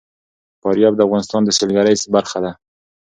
فاریاب د افغانستان د سیلګرۍ برخه ده.